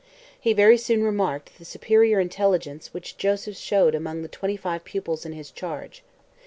He very soon remarked the superior intelligence which Joseph showed among the twenty five pupils in his charge.